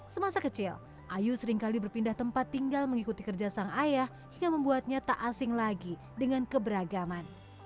semasa kecil ayu seringkali berpindah tempat tinggal mengikuti kerja sang ayah hingga membuatnya tak asing lagi dengan keberagaman